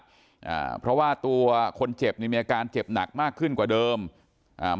อ่าเพราะว่าตัวคนเจ็บนี่มีอาการเจ็บหนักมากขึ้นกว่าเดิมอ่า